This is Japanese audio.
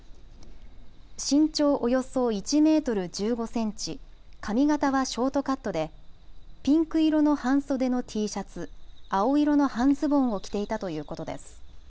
身長およそ１メートル１５センチ、髪型はショートカットでピンク色の半袖のＴシャツ、青色の半ズボンを着ていたということです。